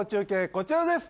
こちらです